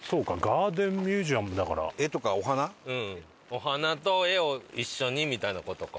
お花と絵を一緒にみたいな事か。